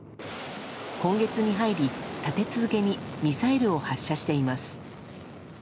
今月に入り、立て続けにミサイルを発射しています。